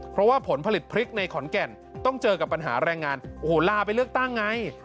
เพราะว่าผลผลิตพริกในขอนแก่นต้องเจอกับปัญหาแรงงานโอ้โหลาไปเลือกตั้งไง